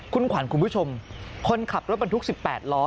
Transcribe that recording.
คุณขวัญคุณผู้ชมคนขับรถบรรทุก๑๘ล้อ